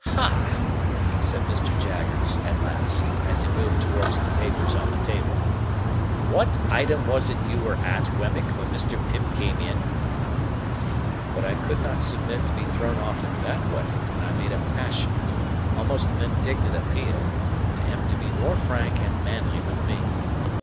"Hah!" said Mr. Jaggers at last, as he moved towards the papers on the table. "What item was it you were at, Wemmick, when Mr. Pip came in?" But I could not submit to be thrown off in that way, and I made a passionate, almost an indignant appeal, to him to be more frank and manly with me.